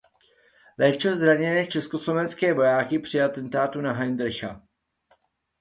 Léčil zraněné československé vojáky při atentátu na Heydricha.